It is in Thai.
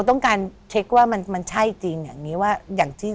ทการเช็กว่ามันใจจีนอย่างนี้